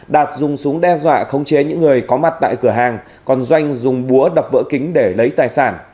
đạt dùng súng đe dọa khống chế những người có mặt tại cửa hàng còn doanh dùng búa đập vỡ kính để lấy tài sản